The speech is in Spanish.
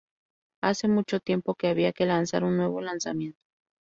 Hace mucho tiempo que había que lanzar un nuevo lanzamiento.